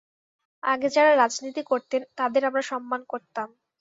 আগে যাঁরা রাজনীতি করতেন, তাঁদের আমরা সম্মান করতাম।